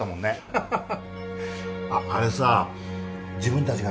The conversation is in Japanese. ハハハ。